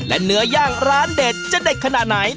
และเนื้อย่างร้านเด็ดจะเด็ดขนาดไหน